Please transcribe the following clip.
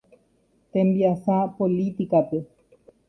Tembiasa políticape.